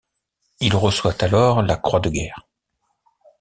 Il reçoit alors la croix de guerre.